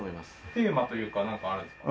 テーマというかなんかあるんですか？